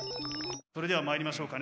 それではまいりましょうかね。